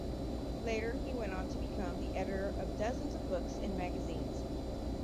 Later he went on to become the editor of dozens of books and magazines.